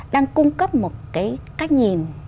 đang cung cấp một cái cách nhìn